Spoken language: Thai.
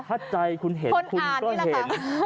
ถ้าใจคุณเห็นคุณก็เห็น